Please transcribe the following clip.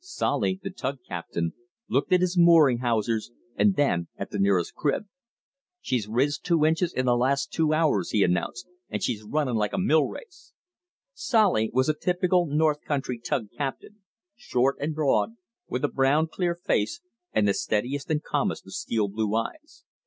Solly, the tug captain, looked at his mooring hawsers and then at the nearest crib. "She's riz two inches in th' las' two hours," he announced, "and she's runnin' like a mill race." Solly was a typical north country tug captain, short and broad, with a brown, clear face, and the steadiest and calmest of steel blue eyes.